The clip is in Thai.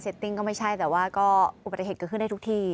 ติ้งก็ไม่ใช่แต่ว่าก็อุบัติเหตุเกิดขึ้นได้ทุกที